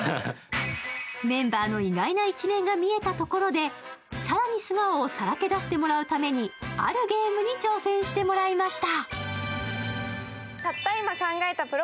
メンバーの意外な一面が見えたところで、更に素顔をさらけ出してもらうために、あるゲームに挑戦してもらいました。